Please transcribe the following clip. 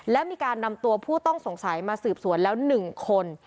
และมีการนำตัวผู้ต้องสงสัยมาสืบสวนแล้ว๑คน